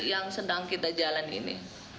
yang sedang kita jalan ini